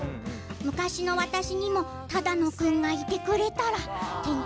昔の私にも只野君がいてくれたら。